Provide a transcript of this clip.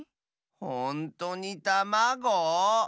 ほんとにたまご？